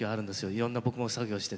いろんな僕も作業してて。